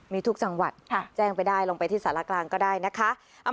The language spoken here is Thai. มีทุกจังหวัดแจ้งไปได้ลงไปที่สารกลางก็ได้นะคะ